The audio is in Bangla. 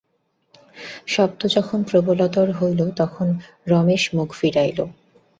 শব্দ যখন প্রবলতর হইল তখন রমেশ মুখ ফিরাইল।